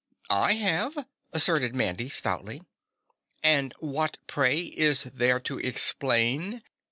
"I have!" asserted Mandy stoutly. "And what, pray, is there to explain?